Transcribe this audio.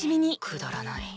くだらない。